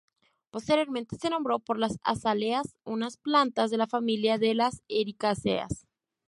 Posteriormente se nombró por las azaleas, unas plantas de la familia de las ericáceas.